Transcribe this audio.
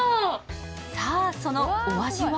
さあそのお味は？